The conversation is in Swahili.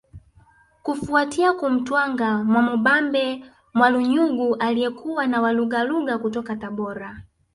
Kufuatia kumtwanga Mwamubambe Mwalunyungu aliyekuwa na walugaluga kutoka Tabora